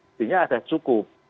intinya ada cukup